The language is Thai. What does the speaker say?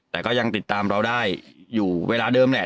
แต่ก็ยังติดตามเราได้อยู่เวลาเดิมแหละ